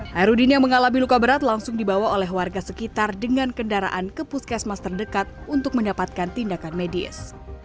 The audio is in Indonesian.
hairudin yang mengalami luka berat langsung dibawa oleh warga sekitar dengan kendaraan ke puskesmas terdekat untuk mendapatkan tindakan medis